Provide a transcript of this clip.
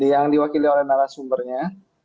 yang diwakili oleh narasumbernya